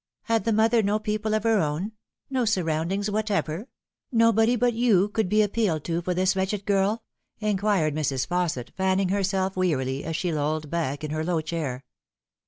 Had the mother no people of her own ; no surroundings whatever ; nobody but you who could be appealed to for this wretched girl ?" inquired Mrs. Fausset, fanning herself wearily, as she lolled back in her low chair.